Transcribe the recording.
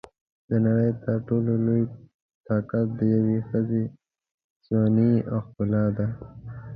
د نړۍ تر ټولو لوی طاقت د یوې ښځې ځواني او ښکلا ده.